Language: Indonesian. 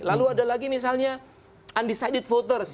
lalu ada lagi misalnya undecided voters